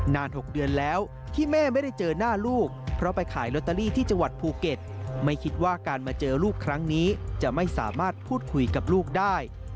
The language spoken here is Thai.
๖เดือนแล้วที่แม่ไม่ได้เจอหน้าลูกเพราะไปขายลอตเตอรี่ที่จังหวัดภูเก็ตไม่คิดว่าการมาเจอลูกครั้งนี้จะไม่สามารถพูดคุยกับลูกได้